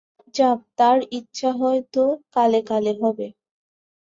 যাক্, তাঁর ইচ্ছা হয় তো কালে কালে হবে।